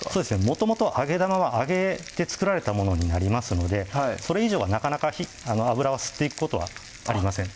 もともと揚げ玉は揚げて作られたものになりますのでそれ以上はなかなか油を吸っていくことはありません